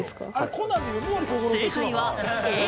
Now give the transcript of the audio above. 正解はＡ。